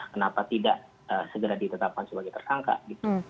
kenapa tidak segera ditetapkan sebagai tersangka gitu